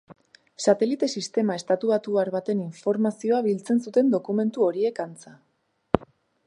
Satelite sistema estatubatuar baten informazioa biltzen zuten dokumentu horiek, antza.